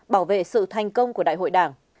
bảo vệ sự thành công của đại hội đảng